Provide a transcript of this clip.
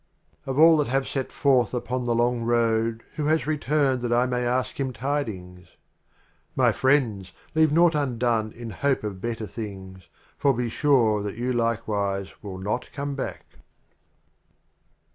LXIV. Of all that have set forth upon the Long Road Who has returned that I may ask him Tidings? My Friends, leave naught undone in hope of Better Things, For be sure that you likewise will not come back.